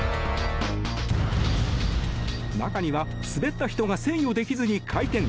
中には滑った人が制御できずに回転。